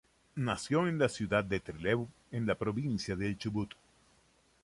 Nació en la ciudad de Trelew en la provincia del Chubut.